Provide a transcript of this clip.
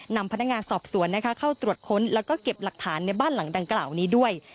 นำพนักงานสอบสวนเข้าตรวจค้นแล้วก็เก็บหลักฐานในบ้านหลังดังกล่าวนี้ด้วย